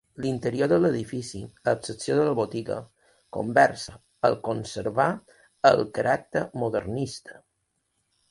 L'interior de l'edifici, a excepció de la botiga, conversa el conserva el caràcter modernista.